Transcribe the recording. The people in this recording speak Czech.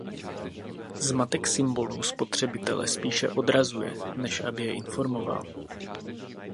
Zmatek symbolů spotřebitele spíše odrazuje, než aby je informoval.